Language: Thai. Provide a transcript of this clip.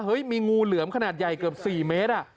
เฮ้ยมีงูเหลือมขนาดใหญ่เกือบสี่เมตรอ่ะ